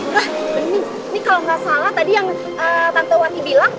ini kalau nggak salah tadi yang tante wati bilang